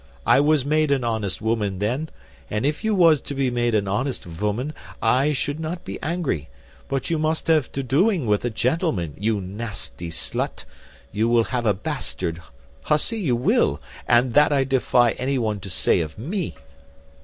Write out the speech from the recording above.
I was made an honest woman then; and if you was to be made an honest woman, I should not be angry; but you must have to doing with a gentleman, you nasty slut; you will have a bastard, hussy, you will; and that I defy any one to say of me."